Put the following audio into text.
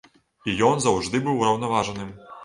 І ён заўжды быў ураўнаважаным.